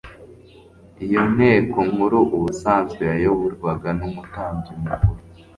Iyo nteko nkuru, ubusanzwe yayoborwaga n'umutambyi mukuru,